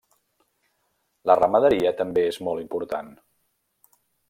La ramaderia també és molt important.